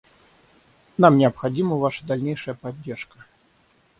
Нам необходима ваша дальнейшая поддержка.